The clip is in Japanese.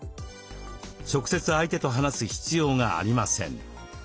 直接相手と話す必要がありません。